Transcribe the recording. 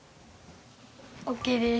ＯＫです。